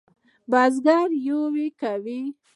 بزگر یویې کوي.